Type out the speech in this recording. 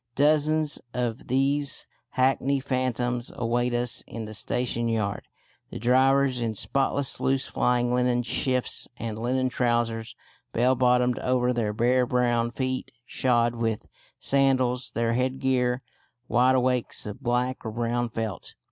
Dozens of these hackney phantoms await us in the station yard; the drivers in spotless loose flying linen shifts and linen trousers bell bottomed over their bare brown feet shod with sandals, their headgear wideawakes of black or brown felt.